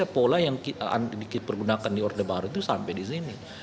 jadi pola yang dipergunakan di orde baru itu sampai di sini